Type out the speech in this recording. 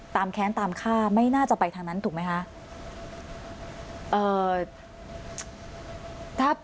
แค้นตามฆ่าไม่น่าจะไปทางนั้นถูกไหมคะ